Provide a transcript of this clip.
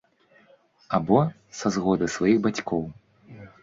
Або са згоды сваіх бацькоў.